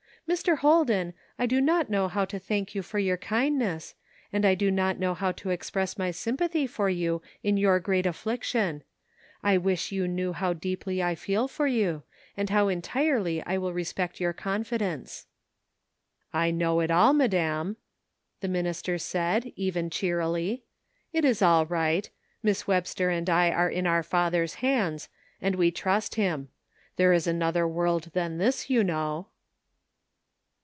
Mr. Holden, I do not know how to thank you for your kindness, and I do not know how to express my sympathy for you in your great affliction. I wish you knew how deeply I feel for you, and how entirely I will respect your confidence." ''I know it all, madam," the minister said, even cheerily. ''It is all right; Miss Webster and I are in our Father's hands, and we trust CONFLICTING ADVICE. 207 him. There is another world than this, you know."